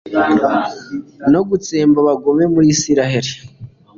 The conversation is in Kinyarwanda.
no gutsemba abagome muri israheli